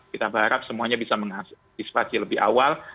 kita berharap semuanya bisa mengantisipasi lebih awal